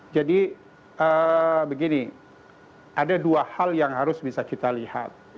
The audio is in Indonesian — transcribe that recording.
begini ada dua hal yang harus bisa kita lihat